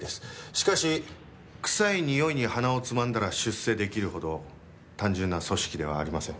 しかし臭いにおいに鼻をつまんだら出世できるほど単純な組織ではありません。